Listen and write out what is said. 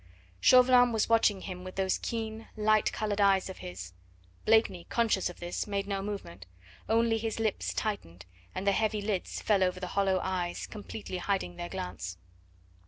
Chauvelin was watching him with those keen, light coloured eyes of his. Blakeney, conscious of this, made no movement, only his lips tightened, and the heavy lids fell over the hollow eyes, completely hiding their glance.